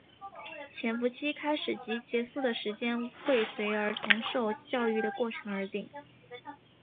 潜伏期开始及结束的时间会随儿童受养育的过程而定。